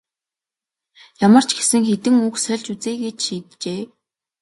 Ямар ч гэсэн хэдэн үг сольж үзье гэж шийджээ.